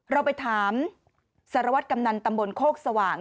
เราไปถามสารวัตรกำนันตำบลโคกสว่าง